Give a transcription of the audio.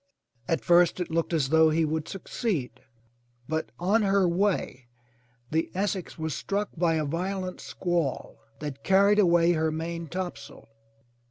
At first it looked as though he would succeed, but on her way the Essex was struck by a violent squall that carried away her maintopsail.